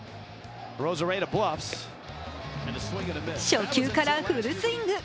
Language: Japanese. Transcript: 初球からフルスイング。